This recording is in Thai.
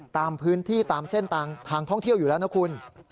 ตามพื้นที่ตามเส้นทางทางท่องเที่ยวอยู่แล้วนะคุณ